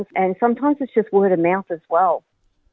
dan kadang kadang itu hanya kata kata juga